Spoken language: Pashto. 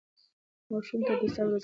ماشومانو ته د صبر او زغم درس ورکړئ.